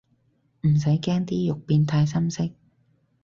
唔使驚啲肉變太深色